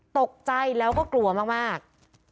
ตกใจแล้วก็กลัวมาก